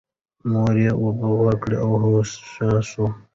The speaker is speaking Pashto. مور یې اوبه ورکړې او هوښ شو.